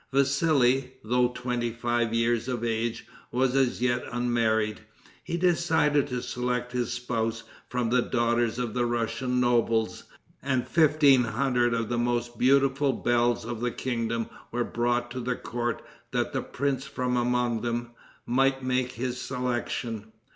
Vassili, though twenty five years of age, was as yet unmarried. He decided to select his spouse from the daughters of the Russian nobles, and fifteen hundred of the most beautiful belles of the kingdom were brought to the court that the prince, from among them, might make his selection.